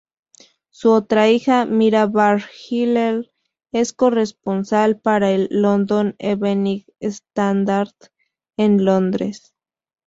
Su otra hija, Mira Bar-Hillel, es corresponsal para el "London Evening Standard", en Londres.